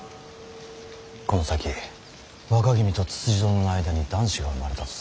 この先若君とつつじ殿の間に男子が生まれたとする。